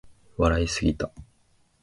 笑いすぎた